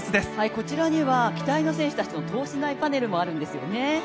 こちらには期待の選手たちの等身大パネルもあるんですよね。